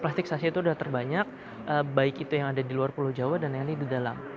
plastik sachet itu sudah terbanyak baik itu yang ada di luar pulau jawa dan yang di dalam